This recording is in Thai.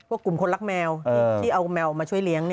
กลุ่มคนรักแมวที่เอาแมวมาช่วยเลี้ยง